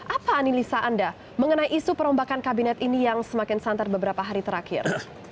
apa analisa anda mengenai isu perombakan kabinet ini yang semakin santer beberapa hari terakhir